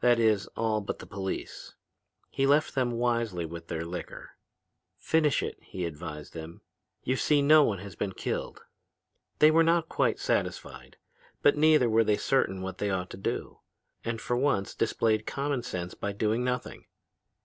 That is, all but the police. He left them wisely with their liquor. 'Finish it,' he advised them. 'You see no one has been killed.' "They were not quite satisfied, but neither were they certain what they ought to do, and for once displayed common sense by doing nothing.